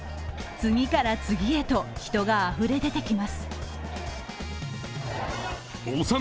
次から次へと、人があふれ出てきます。